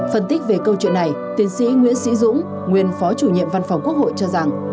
phân tích về câu chuyện này tiến sĩ nguyễn sĩ dũng nguyên phó chủ nhiệm văn phòng quốc hội cho rằng